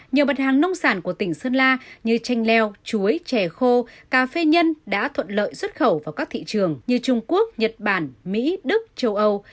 nhiều mặt hàng nông sản của tỉnh sơn la như chanh leo chuối chè khô cà phê nhân đã thuận lợi xuất khẩu vào các thị trường như trung quốc nhật bản mỹ đức châu âu